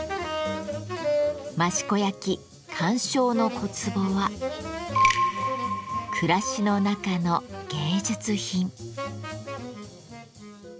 益子焼鑑賞の小壺は暮らしの中の芸術品。